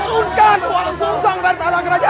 turunkan uang sungsang dari tata kerajaan